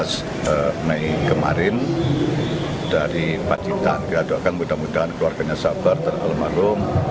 saya berharap dari pacitan doakan mudah mudahan keluarganya sabar terkeluar malum